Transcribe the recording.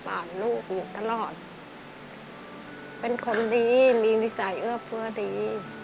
เป็นคนดีมีริสัยเอื้อเพื่อดี